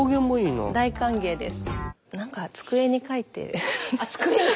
大歓迎です。